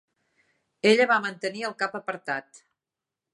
Ella va mantenir el cap apartat.